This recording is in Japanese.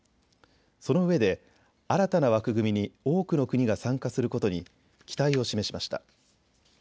そのうえで新たな枠組みに多くの国が参加することに期待を示しました。